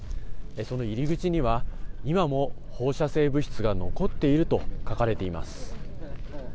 その入り口には今も放射性物質が残っていると書かれています。